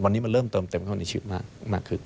วันนี้มันเริ่มเติมเต็มเข้าในชีวิตมากขึ้น